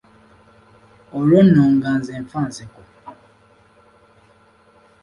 Olwo nno nze nga nfa nseko.